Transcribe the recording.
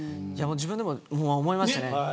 自分でも思いましたね。